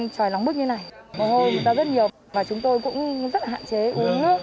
trời nóng bức như thế này mồ hôi ra rất nhiều và chúng tôi cũng rất là hạn chế uống nước